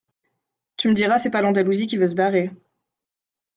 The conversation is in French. Tu me diras c’est pas l’Andalousie qui veut se barrer